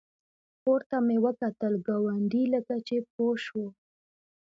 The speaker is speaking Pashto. پورته مې وکتل، ګاونډي لکه چې پوه شو.